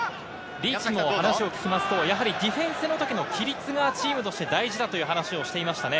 リーチに話を聞きますと、ディフェンスのときの規律がチームとして大事だという話をしていましたね。